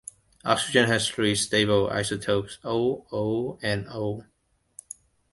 Oxygen has three stable isotopes, O, O, and O.